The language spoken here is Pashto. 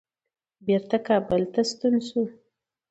بیرته کابل ته ستون شو.